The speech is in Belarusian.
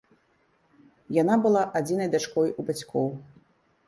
Яна была адзінай дачкой у бацькоў.